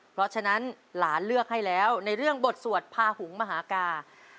เพราะฉะนั้นหลานเลือกให้แล้วในเรื่องบทสวดพาหุงมหากา